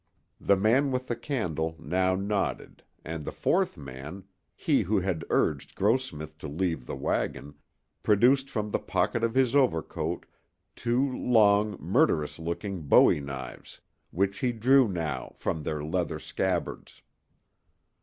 The man with the candle now nodded, and the fourth man—he who had urged Grossmith to leave the wagon—produced from the pocket of his overcoat two long, murderous looking bowie knives, which he drew now from their leather scabbards.